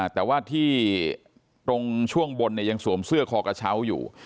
แต่ว่าที่ตรงช่วงบนยังสวมเสื้อคอกระเช้าอยู่